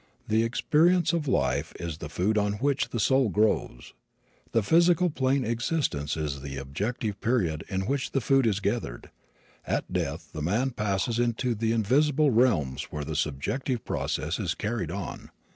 The experience of life is the food on which the soul grows. The physical plane existence is the objective period in which the food is gathered. At death the man passes into the invisible realms where the subjective process is carried on.